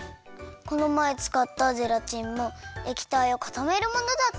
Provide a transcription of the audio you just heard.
このまえつかったゼラチンもえきたいをかためるものだったよね？